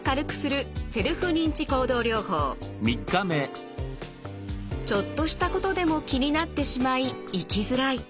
そしてちょっとしたことでも気になってしまい生きづらい。